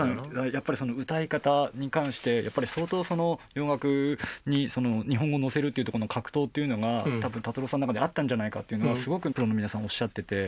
やっぱり歌い方に関して相当洋楽に日本語を乗せるっていうとこの格闘というのが多分達郎さんの中であったんじゃないかっていうのはすごくプロの皆さんおっしゃってて。